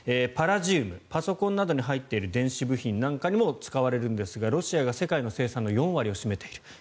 パラジウムパソコンなどに入っている電子部品なんかにも使われるんですがロシアが世界の生産の４割を占めている。